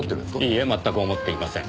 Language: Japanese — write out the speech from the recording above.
いいえ全く思っていません。